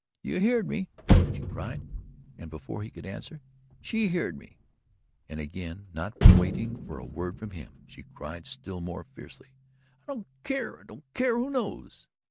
"YOU heerd me?" she cried, and before he could answer "SHE heerd me," and again, not waiting for a word from him, she cried still more fiercely: "I don't keer! I don't keer WHO knows."